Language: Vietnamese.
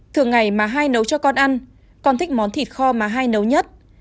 thường ngày má hai nấu cho con ăn con thích món thịt kho má hai nấu nhất